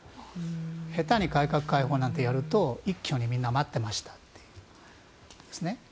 下手に改革開放なんてやると一挙にみんな待ってましたというんですね。